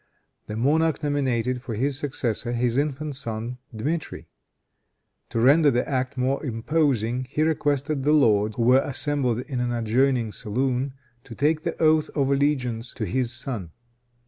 The monarch nominated for his successor his infant son, Dmitri. To render the act more imposing, he requested the lords, who were assembled in an adjoining saloon, to take the oath of allegiance to his son.